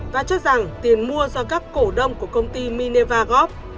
và cho rằng tiền mua do các cổ đông của công ty mineva góp